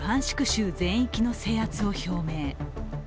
州全域の制圧を表明。